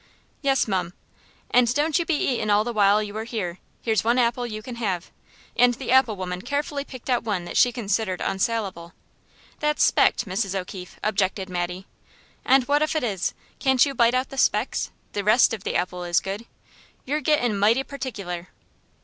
"Yes, mum." "And don't you be eatin' all the while you are here. Here's one apple you can have," and the apple woman carefully picked out one that she considered unsalable. "That's specked, Mrs. O'Keefe," objected Mattie. "And what if it is? Can't you bite out the specks? The rest of the apple is good. You're gettin' mighty particular."